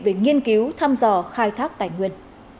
về nghiên cứu thăm dò khai thác tài nguyên